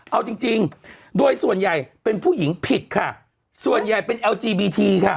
เอาจริงจริงโดยส่วนใหญ่เป็นผู้หญิงผิดค่ะส่วนใหญ่เป็นแอลจีบีทีค่ะ